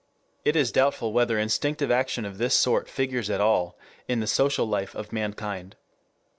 It is doubtful whether instinctive action of this sort figures at all in the social life of mankind.